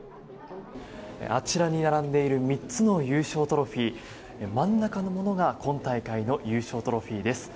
あちらに並んでいる３つの優勝トロフィー真ん中のものが今大会の優勝トロフィーです。